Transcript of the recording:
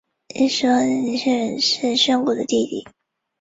一说李宣远是宣古的弟弟。